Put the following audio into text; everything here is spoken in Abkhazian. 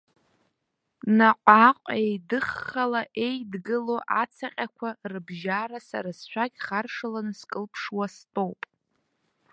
Наҟааҟ еидыххала еидгылоу ацаҟьақәа рыбжьара сара сшәақь харшаланы скылԥшуа стәоуп.